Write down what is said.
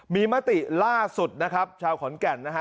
มีมติล่าสุดนะครับชาวขอนแก่นนะฮะ